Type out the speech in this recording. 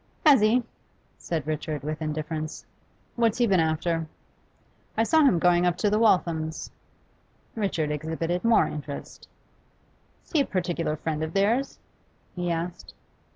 'Has he?' said Richard, with indifference. 'What's he been after?' 'I saw him going up towards the Walthams'.' Richard exhibited more interest. 'Is he a particular friend of theirs?' he asked.